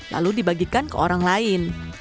lalu dibagikan ke orang lain